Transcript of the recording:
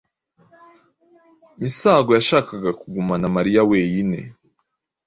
Misago yashakaga kugumana Mariya weine.